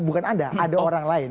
bukan anda ada orang lain